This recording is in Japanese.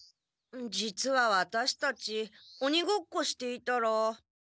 実はワタシたちおにごっこしていたら。